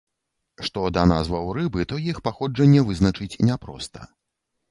Што да назваў рыбы, то іх паходжанне вызначыць няпроста.